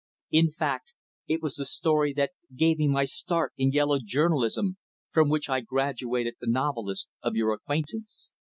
In fact, it was the story that gave me my start in yellow journalism, from which I graduated the novelist of your acquaintance.